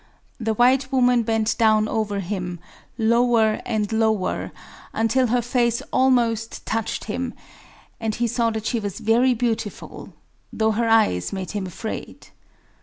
The white woman bent down over him, lower and lower, until her face almost touched him; and he saw that she was very beautiful,—though her eyes made him afraid.